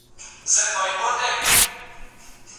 ارواپوهنه يوازې فردي چلند څېړي.